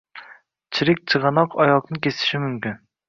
Chirik chigʻanoq oyoqni kesishi mumkin